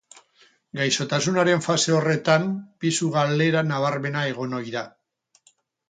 Gaixotasunaren fase horretan pisu galera nabarmena egon ohi da.